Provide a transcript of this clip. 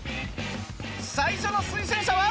最初の推薦者は？